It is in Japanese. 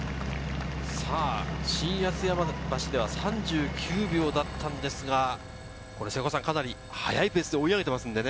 新八ツ山橋では３９秒だったのですが、かなり速いペースで追い上げていますね。